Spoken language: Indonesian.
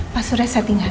pasurnya saya tinggal ya